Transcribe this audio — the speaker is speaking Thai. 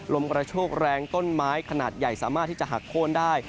ลมกระโชกแรงต้นไม้ขนาดใหญ่สามารถที่จะหักโค้นได้